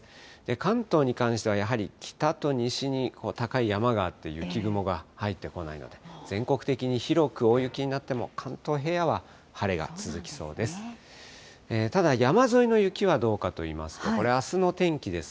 関東に関しては、やはり北と西に高い山があって、雪雲が入ってこないので、全国的に広く大雪になっても、関東平野は晴れが続きそうです。